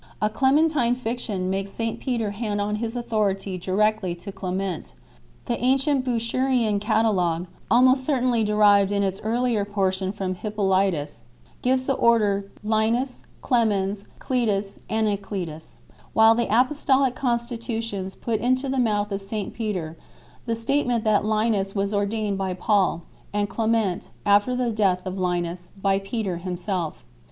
A Clementine fiction 5 makes St Peter hand on his authority directly to Clement. The ancient Bucherian catalogue 6 (almost certainly derived in its earlier portion from Hippolytus) gives the order Linus, Clemens, Cletus, Anacletus ; while the Apostolical Consti tutions 7 put into the mouth of St Peter the statement that Linus was ordained by Paul, and Clement, after the death of Linus, by Peter himself.